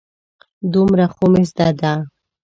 دومره خو مې زده ده.